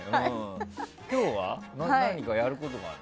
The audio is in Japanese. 今日は何かやることがあるの？